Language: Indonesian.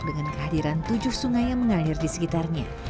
dengan kehadiran tujuh sungai yang mengalir di sekitarnya